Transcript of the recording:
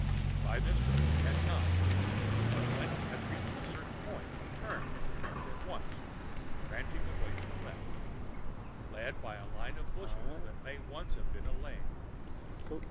By this road he had come; but when he had reached a certain point he turned from the road at once, branching away to the left, led by a line of bushes that may once have been a lane.